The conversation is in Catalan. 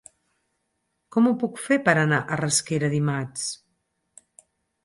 Com ho puc fer per anar a Rasquera dimarts?